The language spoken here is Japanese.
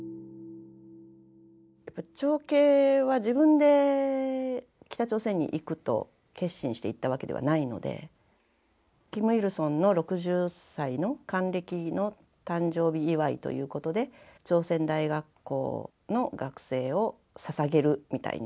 長兄は自分で北朝鮮に行くと決心して行ったわけではないのでキムイルソンの６０歳の還暦の誕生日祝いということで朝鮮大学校の学生をささげるみたいな。